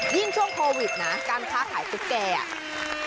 ช่วงโควิดนะการค้าขายตุ๊กแก่อ่ะ